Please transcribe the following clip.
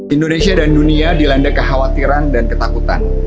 indonesia dan dunia dilanda kekhawatiran dan ketakutan